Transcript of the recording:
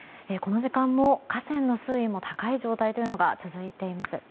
この時間も河川の水位も高い状態が続いています。